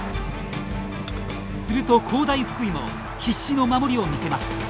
すると工大福井も必死の守りを見せます。